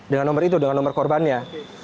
dengan nomor itu dengan nomor korbannya